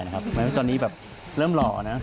หมายความว่าตอนนี้แบบเริ่มหล่อนะ